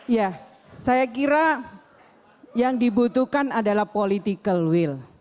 ya saya kira yang dibutuhkan adalah political will